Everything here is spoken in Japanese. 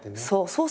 そう。